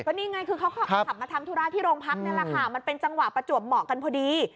นี่ไงคือเขาขับมาทำธุระที่โรงพักนี่แหละค่ะมันเป็นจังหวะประจวบเหมาะกันพอดี